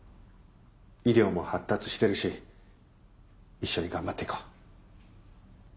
医療も発達してるし一緒に頑張っていこう。